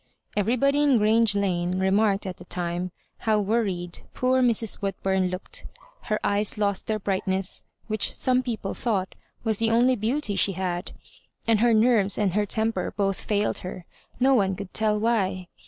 Everybody in Grange Lane re marked at the time how worried poor Mrs. Wood burn looked. Her eyes lost their brightness, which some people thought was the only beauty she had, and her nerves and her torapor both failed her, no one could tell why.